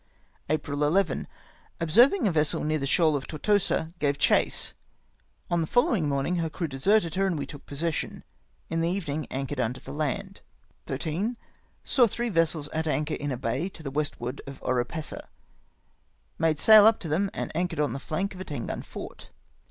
"April 11. — Observing a vessel near the shoal of Tortosa, gave chase; On the following morning her crew deserted her, 108 CRUISE OFF BAECELOXA. and we took possession. In the evening anchored under the land. "13. — Saw three vessels at anchor in a bay to the west ward of Oropesa. Made sail up to them and anchored on the flank of a ten gun fort.